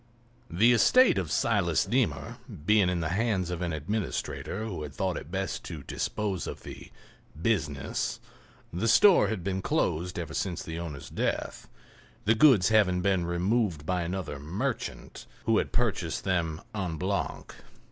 The estate of Silas Deemer being in the hands of an administrator who had thought it best to dispose of the "business" the store had been closed ever since the owner's death, the goods having been removed by another "merchant" who had purchased them en bloc.